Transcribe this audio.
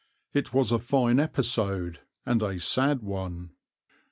It was a fine episode, and a sad one.